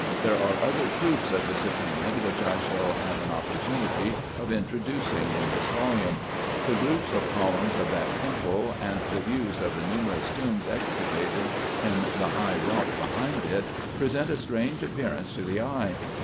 There are other proofs of this opinion, which I shall have an oppor tunity of introducing in this volume. The groups of columns of that temple, and the views of the numerous tombs excavated in the high rock behind it, present a strange appearance to the eye.